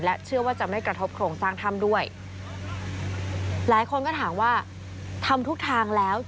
เชื่อว่าจะไม่กระทบโครงสร้างถ้ำด้วยหลายคนก็ถามว่าทำทุกทางแล้ว